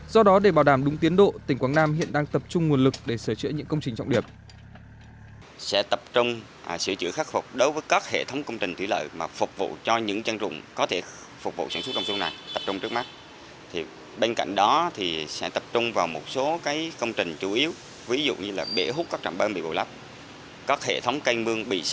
do đó để bảo đảm đúng tiến độ tỉnh quảng nam hiện đang tập trung nguồn lực để sửa chữa những công trình trọng điểm